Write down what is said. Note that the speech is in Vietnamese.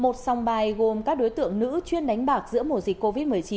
một song bài gồm các đối tượng nữ chuyên đánh bạc giữa mùa dịch covid một mươi chín